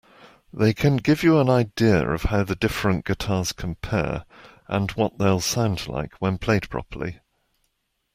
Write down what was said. They can give you an idea of how the different guitars compare and what they'll sound like when played properly.